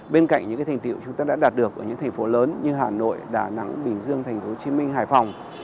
bên cạnh những cái thành tiệu chúng ta đã đạt được ở những thành phố lớn như hà nội đà nẵng bình dương tp hcm hải phòng